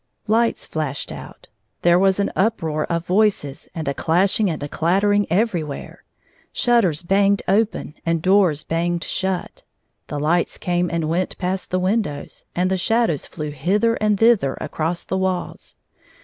14.S Lights flashed out ; there was an uproar of voices and a clashing and a clattering everywhere. Shutters hanged open and doors hanged shut. The lights came and went past the windows, and the shadows flew hither and thither across the walls.